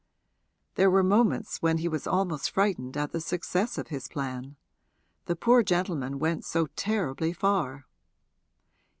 There were moments when he was almost frightened at the success of his plan the poor gentleman went so terribly far.